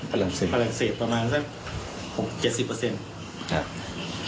ฝรั่งเศสประมาณสัก๗๐เปอร์เซ็นต์